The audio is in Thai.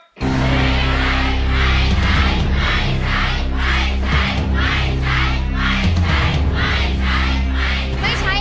หรือไม่ใช้